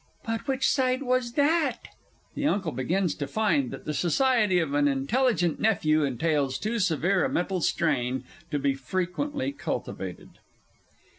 But which side was that? (The Uncle begins to find that the society of an intelligent Nephew entails too severe a mental strain to be frequently cultivated.)